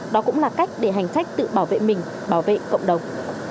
đó cũng là cách để hành khách tự bảo vệ mình bảo vệ cộng đồng